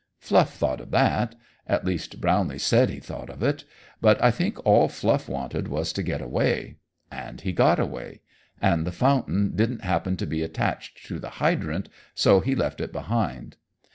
Fluff thought of that at least Brownlee said he thought of it but I think all Fluff wanted was to get away. And he got away, and the fountain didn't happen to be attached to the hydrant, so he left it behind.